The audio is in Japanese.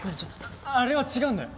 あれは違うんだよ。